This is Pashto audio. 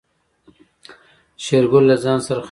شېرګل له ځان سره خندل.